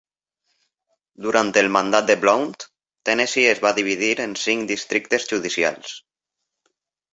Durant el mandat de Blount, Tennessee es va dividir en cinc districtes judicials.